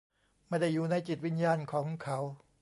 ไม่ได้อยู่ในจิตวิญญาณของเขา ?